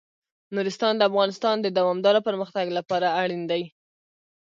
نورستان د افغانستان د دوامداره پرمختګ لپاره اړین دي.